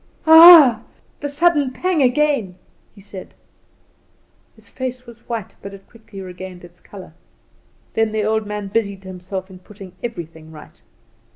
"Ah, the sudden pang again," he said. His face was white, but it quickly regained its colour. Then the old man busied himself in putting everything right.